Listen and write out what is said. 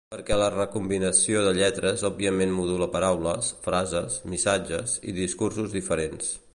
Perquè la recombinació de lletres òbviament modula paraules, frases, missatges i discursos diferents.